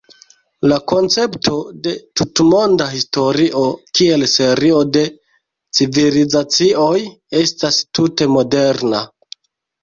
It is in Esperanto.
La koncepto de tutmonda historio kiel serio de "civilizacioj" estas tute moderna.